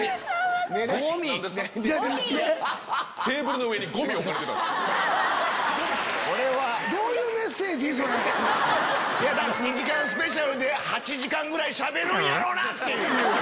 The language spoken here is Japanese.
ゴミ？２時間スペシャルで８時間ぐらいしゃべるんやろうな！っていう。